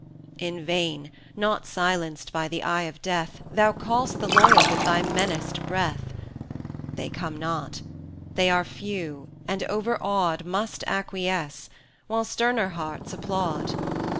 IV. In vain, not silenced by the eye of Death, Thou call'st the loyal with thy menaced breath: They come not; they are few, and, overawed, Must acquiesce, while sterner hearts applaud.